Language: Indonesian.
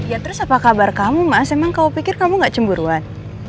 ya terus apa kabar kamu mas emang kamu pikir kamu gak cemburuan